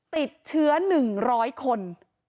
ติดเชื้อ๑๐๐คน